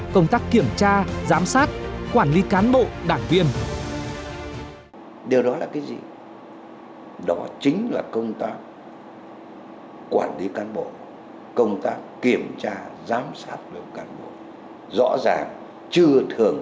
công tác kiểm tra giám sát quản lý cán bộ đảng viên